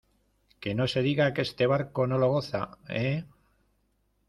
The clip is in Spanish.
¡ que no se diga que este barco no lo goza! ¿ eh?